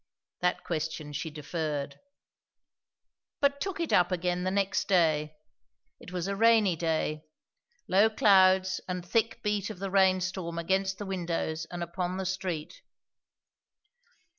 That question she deferred. But took it up again the next day. It was a rainy day; low clouds and thick beat of the rain storm against the windows and upon the street.